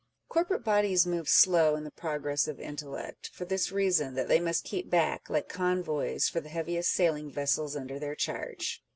Corporate bodies move slow in the progress of intellect, for this reason, that they must keep back, like convoys, for the heaviest sailing vessels under their charge.